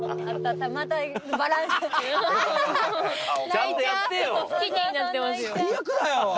ちゃんとやってよ！